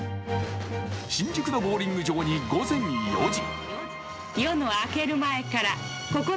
新宿のボウリング場に午前４時。